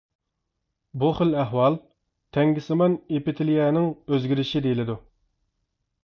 بۇ خىل ئەھۋال تەڭگىسىمان ئېپىتېلىيەنىڭ ئۆزگىرىشى دېيىلىدۇ.